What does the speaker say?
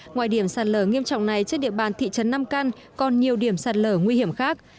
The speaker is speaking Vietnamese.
ngoài điểm sạt lở nghiêm trọng này trên địa bàn thị trấn nam căn còn nhiều điểm sạt lở nguy hiểm khác